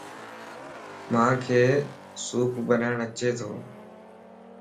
مانک سوپ بناڻَ اچي تو